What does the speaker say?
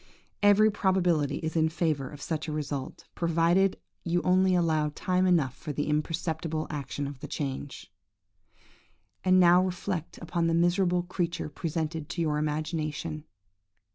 "Every probability is in favour of such a result, provided you only allow time enough for the imperceptible action of the change. "And now reflect upon the miserable creature presented to your imagination!